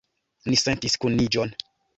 Ni sentis kuniĝon.